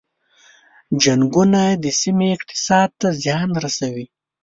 جنګونه د سیمې اقتصاد ته زیان رسوي.